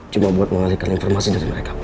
cuma buat mengalihkan informasi dari mereka